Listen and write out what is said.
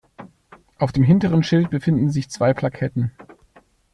Auf dem hinteren Schild befinden sich zwei Plaketten.